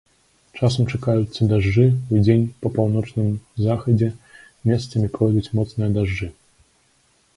Часам чакаюцца дажджы, удзень па паўночным захадзе месцамі пройдуць моцныя дажджы.